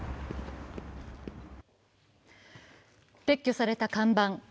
撤去された看板